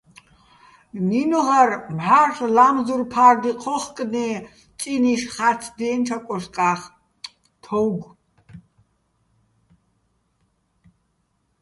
ნინო̆ღარ მჵარ'ლ ლა́მზურ ფა́რდი ჴო́ხკდიეჼ წინიშ ხა́რცდიენჩო̆ აკოშკა́ხ, თო́უგო̆.